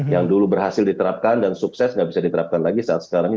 yang dulu berhasil diterapkan dan sukses nggak bisa diterapkan lagi saat sekarang ini